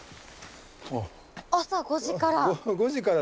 朝５時から！